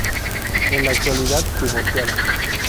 En la actualidad divorciada.